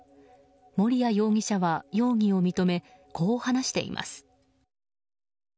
森谷容疑者は容疑を認めこう話しています。